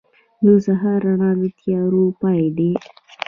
• د سهار رڼا د تیارو پای دی.